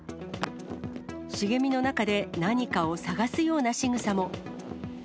茂みの中で何かを探すようなしぐさも。